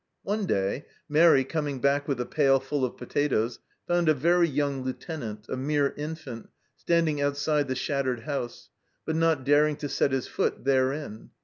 One day, Mairi, coming back with a pail full of potatoes, found a very young Lieutenant a mere infant standing outside the shattered house, but not daring to set his foot therein.